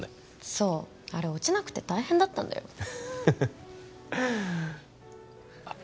そうあれ落ちなくて大変だったんだよあっははあっ